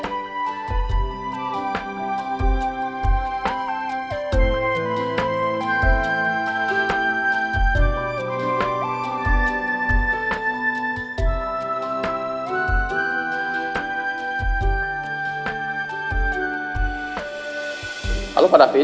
dan kita akan berbicara naskah ini